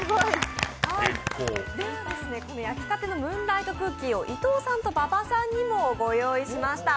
では、やきたてのムーンライトクッキーを伊藤さんと馬場さんにもご用意しました。